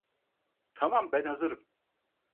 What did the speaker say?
Tamam, ben hazırım.